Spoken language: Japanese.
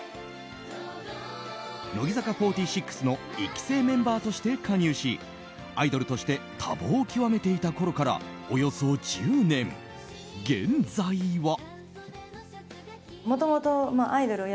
乃木坂４６の１期生メンバーとして加入しアイドルとして多忙を極めていたころからおよそ１０年、現在は。